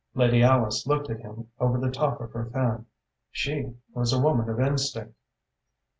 Lady Alice looked at him over the top of her fan. She was a woman of instinct.